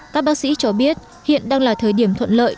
các bác sĩ cho biết hiện đang là thời điểm thuận lợi